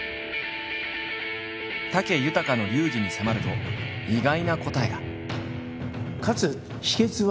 武豊の流儀に迫ると意外な答えが。